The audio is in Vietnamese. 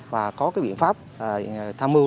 và có cái biện pháp tham mưu